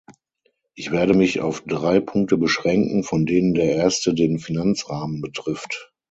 Ich werde mich auf drei Punkte beschränken, von denen der erste den Finanzrahmen betrifft.